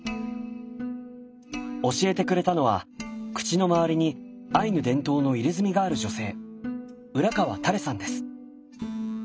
教えてくれたのは口の周りにアイヌ伝統の入れ墨がある女性浦川タレさんです。